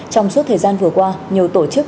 trong suốt thời gian vừa qua nhiều tổ chức